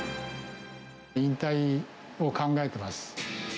引退を考えてます。